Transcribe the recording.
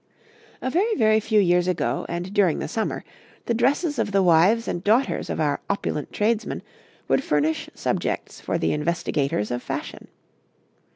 'A very, very few years ago, and during the summer, the dresses of the wives and daughters of our opulent tradesmen would furnish subjects for the investigators of fashion.